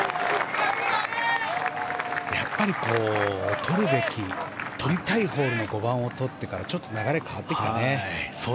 やっぱり取るべき取りたいホールの５番を取ってからちょっと流れが変わってきたね。